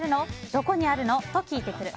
どこにあるの？と聞いてくる。